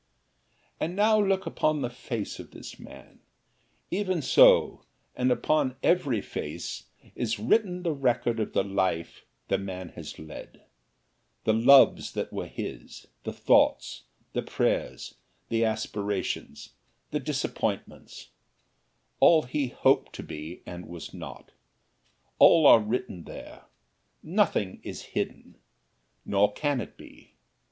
And now look upon the face of this man! Even so, and upon every face is written the record of the life the man has led: the loves that were his, the thoughts, the prayers, the aspirations, the disappointments, all he hoped to be and was not all are written there nothing is hidden, nor can it be.